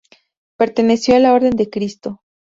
Perteneció a la Orden de Cristo.